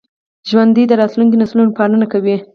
ژوندي د راتلونکو نسلونو پالنه کوي